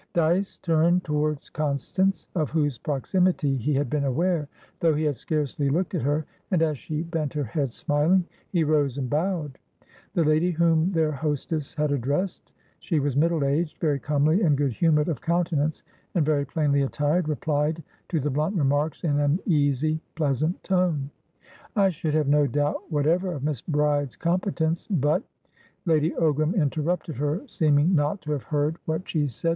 Dyce turned towards Constance, of whose proximity he had been aware, though he had scarcely looked at her, and, as she bent her head smiling, he rose and bowed. The lady whom their hostess had addressedshe was middle aged, very comely and good humoured of countenance, and very plainly attiredreplied to the blunt remarks in an easy, pleasant tone. "I should have no doubt whatever of Miss Bride's competence. But" Lady Ogram interrupted her, seeming not to have heard what she said.